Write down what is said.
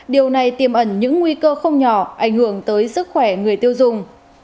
điều này tiềm ẩn những nguy cơ không nhỏ ảnh hưởng tới sức khỏe người tiêu dùng